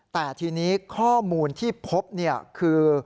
แต่ทีนี้ข้อมูลที่พบคือ